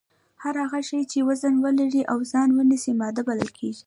هر هغه شی چې وزن ولري او ځای ونیسي ماده بلل کیږي